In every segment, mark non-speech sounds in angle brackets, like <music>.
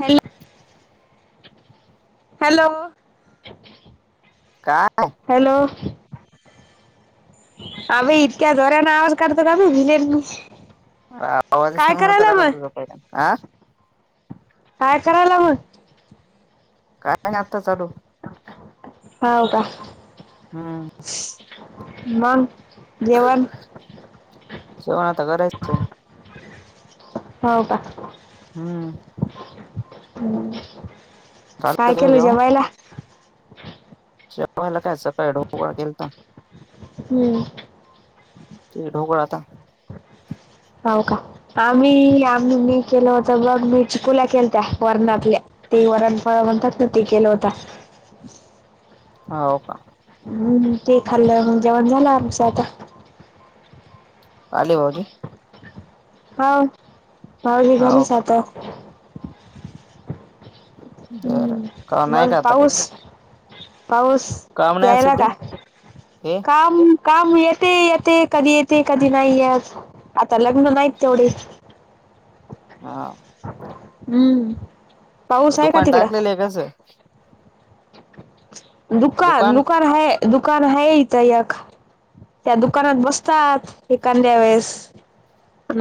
Hello hello काय hello. आम्ही इतक्या जोराने आवाज काढतो ना <unintelligible> आवाज काय करायला मग काय नाही आता चालू. हाव का. हम् <unintelligible> मग? जेवण जेवण आत्ता करायचं. होऊ का. <unintelligible> झालं काय तुझं केलं जेवण जेवायला? <unintelligible> काय सकाळ ढोकवळा केलता. हम्म. <unintelligible> <unintelligible> <inaudible> हाऊ का, आम्ही आम्ही मी केलवत्या बघ मी चिकुला केलत्या वरणातल्या. ते वरणफळ म्हणतात ना ते केलं होतं. हवं का हम्म, ते खाल्लं मग जेवण झालं आमचं आता. आले भाऊजी? हाऊ भाऊजी हो घरीच का आहेतो. बरं हम्म, काम नाही मग का आता काही पाऊस पाऊस काम नाही आज यायला सध्या का? हे काम काम येते येते कधी येते कधी नाही येत. आता लग्न नाहीत तेवढे. हा <unintelligible> हम्म मग पाऊस आहे का दुकान टाकलेलं तिकडं आहे कसं? दुकान, दुकान है, दुकान है इथ एक. त्या दुकानात बसतात एखांद्या वेळेस.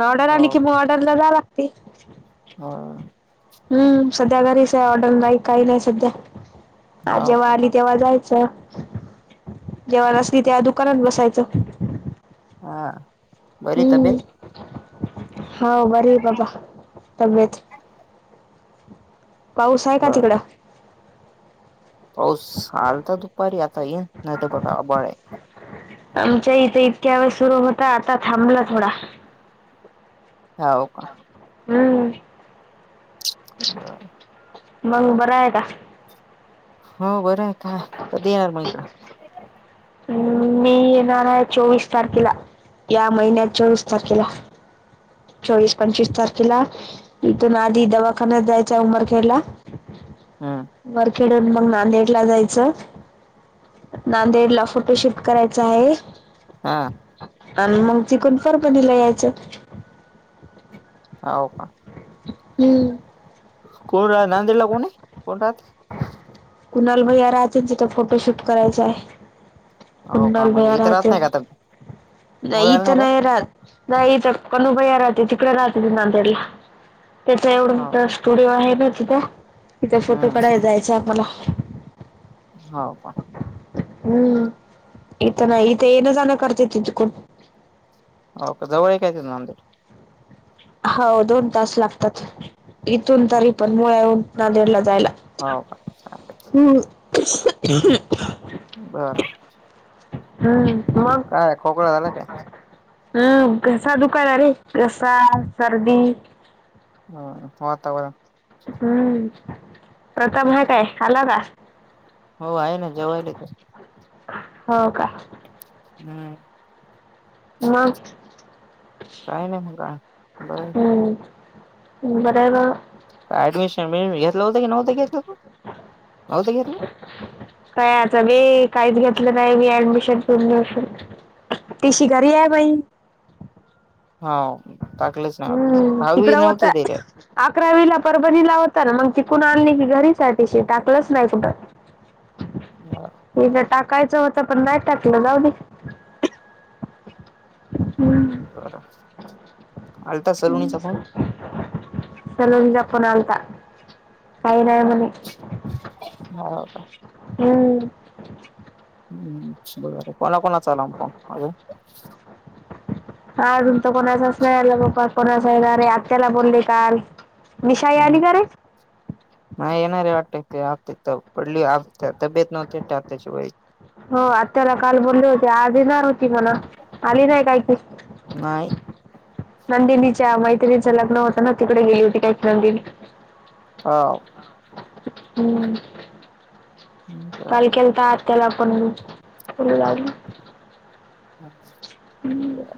ऑर्डर हो आली की मंग ऑर्डरला जाया लागते. हो हम्म, सध्या घरीच आहे ऑर्डर नाही काही नाही सध्या. आ हो जेव्हा का आली तेव्हा <unintelligible> जेव्हा नसली तेव्हा दुकानात बसायचं. हा, बरीये तब्येत? हां बरी बाबा तब्येत. पाऊस आहे का बर तिकडं? पाऊस आलता दुपारी आता येत नाही बघा आभाळ हे. आमच्या इथं इतक्या वेळे सुरू होता आता थांबला थोडा. हाव का? <unintelligible> बर मंग बरायका? हो बरं आहे आता. कधी येणार मग इकडं? हम, मी येणार आहे चोवीस तारखेला. या महिन्यात चोवीस तारखेला. चोवीस, पंचवीस तारखेला इथून आधी दवाखान्यात जायचं उमरखेडला. हम तिथून मग नांदेडला जायचं. नांदेड ला फोटो शूट करायचा आहे. हा. आणि मग चिकून परफणीला यायचं होव का हम्म कोण आहे नांदेडला कोण कोण है राहते कुणाल भैया राहते तेथे फोटोशूट करायचा आहे हो का कुनाल भेया म्हणजे इथं राहत राहते नाही का आता नाही एथे नाही राहत नाही कुणाल भया राहते तिकडे राहते त ना त्याला त्याचा हो एवढं स्टुडिओ आहे ना ठीक तिथे फोटो हम्म करायला जायचा आपन हाव का हुम इता ना इत येन जना खर्चतित कोुट हो का जवळ काय तेतुन अंतर हो दोन तास लागतात इथून तरी पण पदमाळ्याहून नांदेड ला जायला हो का चालतंय हलो हम् बर हम्म मग काय खोकळा झाला काय हम्म घसा दुखायला रे घसा सर्दी हम वाातावरण हम्म प्रताप हाय काय आला का हो आहे ना जवायला ते हो का हम् हत काही नाही मित्रा बरं बर ग ऍडमिशन मिळेल घत नव्हतं घेतलं कायाच बी काहीच घेतलं नाही मी ऍडमिशन पूर्ण दिवसून टीसी घरी आहे बाई हा हम्म तिकडं होत अकरावीला परभणीला पण ना मग तिथूण आणली की घरीसाठीशी टाकलंच नाही कुठं ब कायच होतं पण नाही टाकलं जाऊ दे बरं आलता सलोनीचा फोन सलिम चा फ़ोन आलता काय नही मणे हो का हम् कोणा कोणा चाला फोन अझून. अजून तर कोणाचाच नाहीला पप्पा कोणाचा येणार रे आत्याला बोलली काल. निशाई आली हम् का रे नाही येणार आहे वाटते. तेआपतित पडली तब्येत नव्हती ट त्या शिवाय <unintelligible> होय आत्याला काल बोलले होते आज येणार होती म्हने आली नाही काय ती. नाही नंदिनीच्या मैत्रिणीच लग्न होतं ना तिकडे गेली होती काय नंदिनी. हो हम. काल केलता आत्याला फोन मि. हम्म ब.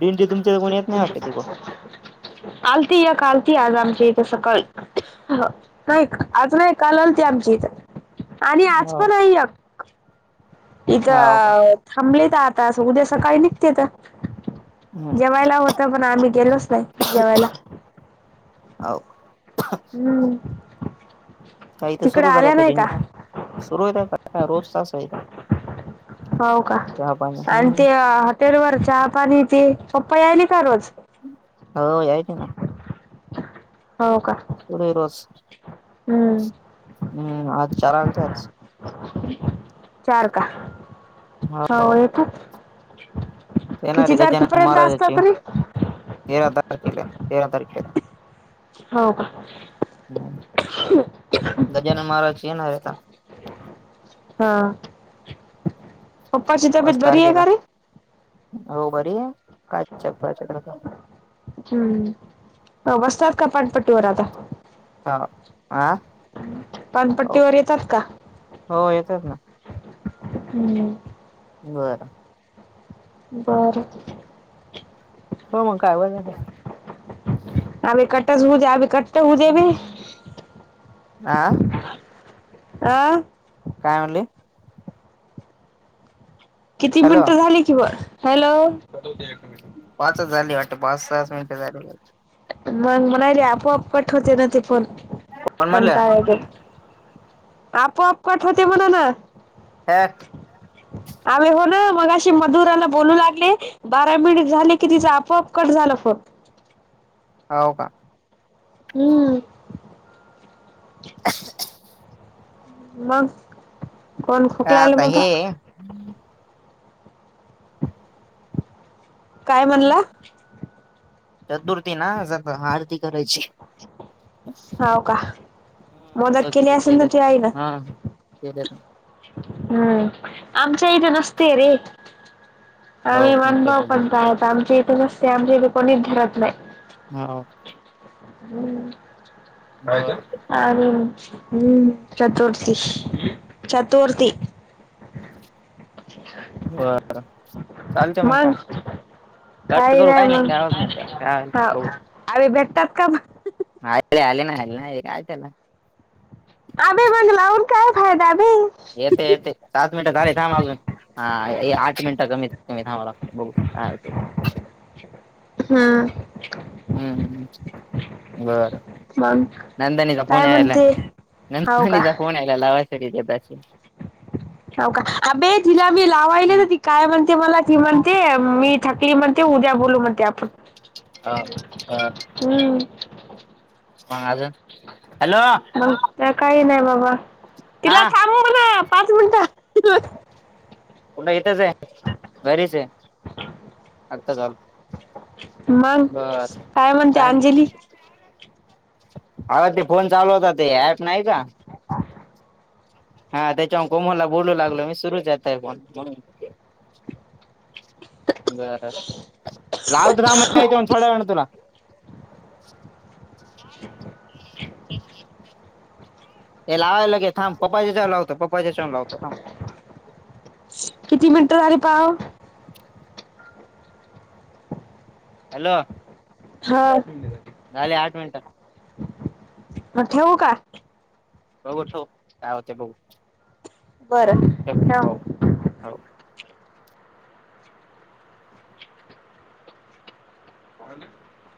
दीदी तुमच्या तर कोणी येत नाही वाटत ते ग. आलती या काल ती आज आमच्या इथे सकाळी. नाही आज नाही काल आलती आमची इथ आणि आज पण आहे एक. हो का इथं थांबले त आता असं उद्या सकाळी निघते त. हम्म जेवायला होत पण आम्ही गेलोच नाही जेवायला. हो हम्म. का इथ तिकडे सुरु झाले आल्या आता नाही का दिंडी सुरू होईल आता रोज त आहेत हाव का आणि ते हटेलवर चहा पाणी ते. पप्पा यायली का रोज? हो यायचे ना. हो का <unintelligible> हम्म हम्म आज चार आलते आज. चार का सवय खूप. येणारी गजानन महाराजाची तेरा तारखेला आहे तेरा तारखेला. होव का? हम्म गजानन महाराजाची येणारे आता हां पप्पाची पाच तब्येत बरी आहे तारखेला का रे? हो बरी आहे. काय चक्कर हम्म बसतात पानपट्टी वर आता. हां आ हो पानपट्टी वर येतात का? हो येतात ना हम्म. बरं. बरं. हो मग काय <unintelligible> हा <unintelligible> आह काय म्हणले? किती हॅलो मिनटं झाली की ब हॅलो पाचच झाली वाटते पाच सहाच मिनिटं झाली. मग म्हणाले आपोआप कट होते ना ते फोन पण म्हणलं कंटाळले की. आपोआप कट होते म्हणणं. हठ. <inaudible> आम्ही हो ना मग अशी मधुराला बोलू लागले बारा मिनिट झाले की तिचां आपोआप कट झाला फोन. <inaudible> होव का? हम्म. <inaudible> मग कोण खोकलायला आता बघा. हे काय म्हणला? चतुर्थी ना आज, आता आरती करायची. हाव का? होत मदत केली तिथ असेल ना केले तू आईला? हा केले हम्म आमच्या इथे नसतय रे. हो आम्ही तुमच्या मानभाव केले पंथ आहोत, आमच्या इथे नसतय, आमच्या इथे कोणीच धरत नाही. हो हुं. काय ग? बर हूम्म चतुर्थी, चतुर्थी. <inaudible> बर चालतं मग काय. कट काही करू काय नाही, मग काय होत नाही त्याला काय हा बघु. आवे भेटतात का मग? आले आले, नाही आले नाही आले काय त्याला. अबे मंग लाऊन काय फायदा? बे येते येते सात मिनिटं झाले थांब अजून हा आठ मिनिटं कमीत कमी थांबावं लागतं बघू काय होते हुं. हुं. हुं. बरं. मग नंदनीचा फोन काय यायलाय, म्हणते हाव का नंदनीचा फोन यायला होय. कडिलाबादचं <unintelligible> हाव का अभे तिला मी लावायले हम्म ना, ती काय म्हणते मला ती म्हणते? मी थकली म्हनते, उद्या बोलू म्हणते आप आ आ. <inaudible> मा अजून हॅलो मग काय नाही बाबा. हा तिला थांबु म्हणावं. पाच मिनट <unintelligible> कुठे इथेच हाय, घरीच हाय, आताच आलो. मग काय म्हणते अंजली? आगं ते फोन चालू होता ते ॲप नाही का? हा त्याच्यावून कोमला बोलू लागलो मी सुरूच हाय आता बी फोन म्हणुन. बर लावतो मामा हेच्या उन थोड्या वेळानं तुला. <inaudible> <inaudible> ये ये चल. ऐ लावयला घे थांब पप्पा हेच्या लावतो प पहिलं च्या ऊन लावतो थांब? तुम्हाली पाव? हॅलो हां. झाले आठ मिनट. मग ठेवु का? बघू ठेव काय होतंय बघू. बरं ठेव ठेवा हो मग हो <inaudible>